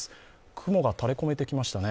雲が垂れ込めてきましたね。